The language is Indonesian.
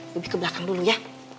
lebih ke belakang dulu ya